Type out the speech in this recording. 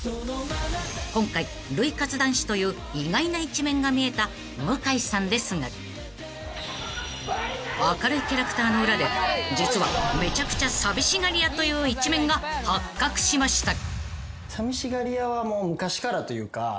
［今回涙活男子という意外な一面が見えた向井さんですが明るいキャラクターの裏で実はめちゃくちゃ寂しがり屋という一面が発覚しました］